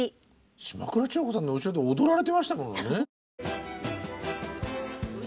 島倉千代子さんの後ろで踊られてましたものね。